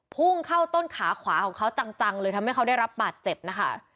พุ่งเข้าต้นขาขวาของเขาจังเลยทำให้เขาได้รับบาดเจ็บนะคะ